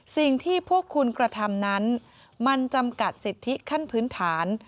สิ่งที่พวกคุณกระทำนั้นมันจำกัดสิทธิขั้นพื้นฐาน